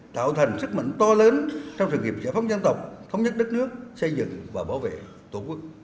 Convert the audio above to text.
tạo thành sức mạnh to lớn trong sự nghiệp giải phóng dân tộc thống nhất đất nước xây dựng và bảo vệ tổ quốc